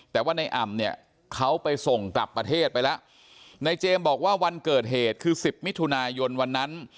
แต่ว่าในอ่ำเนี่ยเขาไปส่งกลับประเทศไปแล้วในเจมส์บอกว่าวันเกิดเหตุคือสิบมิถุนายนวันนั้น